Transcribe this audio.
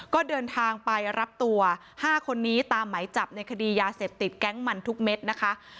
ก็เดินทางไปรับตัว๕คนนี้ตามไหมจับในคดียาเสพติดแก๊งมันทุกเม็ดนะคะ